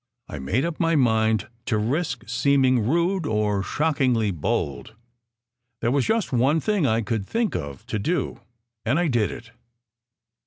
I made up my mind to risk seeming rude or shockingly bold. There was just one thing I could think of to do, and I did it.